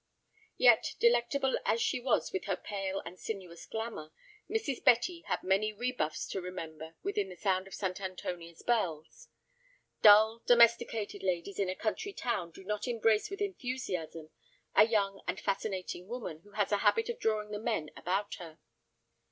Yet, delectable as she was with her pale and sinuous glamour, Mrs. Betty had many rebuffs to remember within the sound of St. Antonia's bells. Dull, domesticated ladies in a country town do not embrace with enthusiasm a young and fascinating woman who has a habit of drawing the men about her.